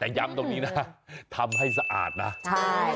แต่ย้ำตรงนี้นะทำให้สะอาดนะใช่